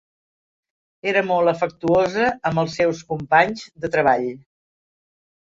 Era molt afectuosa amb els seus companys de treball.